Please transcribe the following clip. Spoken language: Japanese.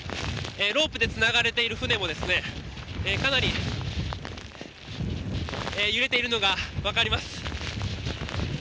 ロープでつながれている船もかなり揺れているのが分かります。